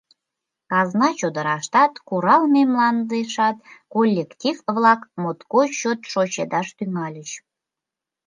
Казна чодыраштат, куралме мландешат коллектив-влак моткоч чот шочедаш тӱҥальыч.